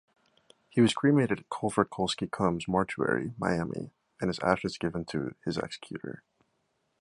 He was cremated at Cofer-Kolski-Combs mortuary, Miami, and his ashes given to his executor.